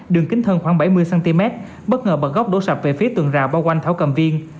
đường kính hơn khoảng bảy mươi cm bất ngờ bật góc đổ sạp về phía tường rào bao quanh thảo cầm viên